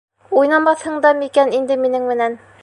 Уйнамаҫһың да микән инде минең менән?